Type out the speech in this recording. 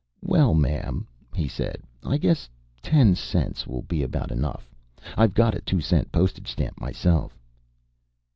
"Well, ma'am," he said, "I guess ten cents will be about enough. I've got a two cent postage stamp myself."